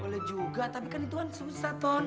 boleh juga tapi kan itu kan susah ton